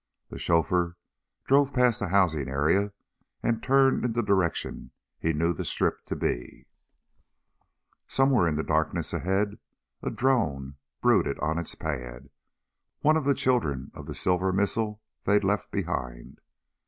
The chauffeur drove past a housing area and turned in the direction he knew the strip to be. Somewhere in the darkness ahead a drone brooded on its pad, one of the children of the silver missile they'd left behind.